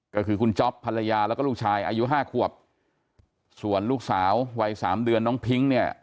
ก็คือคุณจ๊อปภรรยาแล้วก็ลูกชายอายุห้าขวบส่วนลูกสาววัยสามเดือนน้องพิ้งเนี่ย